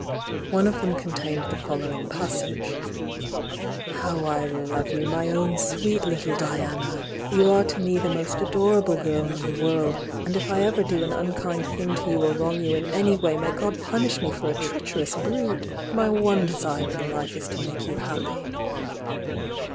One of them contained the following passage: "How I love you, my own sweet little Diana! You are to me the most adorable girl in the world, — and if ever I do an unkind thing to you or wrong you in any way may God punish me for a treach erous brute! My one desire in life is to make you happy."